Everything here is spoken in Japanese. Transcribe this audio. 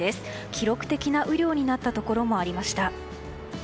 記録的な雨量になったところもありました。